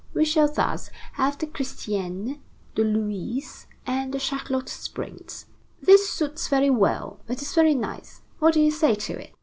We shall thus have the Christiane, the Louise, and the Charlotte Springs. This suits very well; it is very nice. What do you say to it?"